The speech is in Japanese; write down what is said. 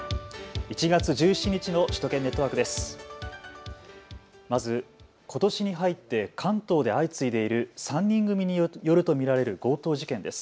１月１７日の首都圏ネットワークです。